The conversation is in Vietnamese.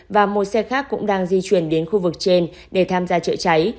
và một xe khác cũng đang di chuyển đến khu vực trên để tham gia trợ cháy